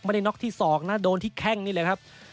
น็อกที่ศอกนะโดนที่แข้งนี่เลยครับ